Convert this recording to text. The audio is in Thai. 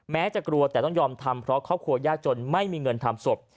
จะกลัวแต่ต้องยอมทำเพราะครอบครัวยากจนไม่มีเงินทำศพ